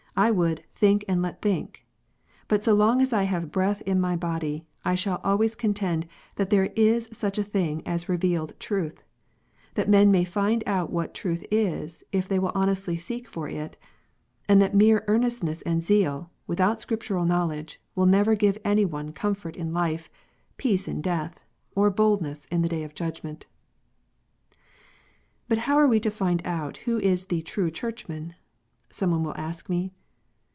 I would " think and let think." But so long as I have breath in my body, I shall always contend that there is such a thing as revealed truth, that men may find out what truth is if they will honestly seek for it, and that mere earnestness and zeal, without Scriptural knowledge, will never give any one comfort in life, peace in death, or boldness in the day of judgment. But how are we to find out who is the " true Churchman "? some one will ask me.